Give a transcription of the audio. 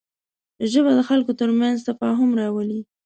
ژبه د خلکو تر منځ تفاهم راولي